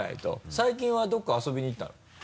最近はどこか遊びに行ったの？